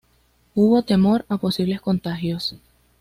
Hubo temor a posibles contagios.